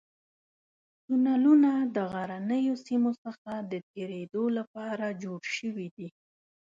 تونلونه د غرنیو سیمو څخه د تېرېدو لپاره جوړ شوي دي.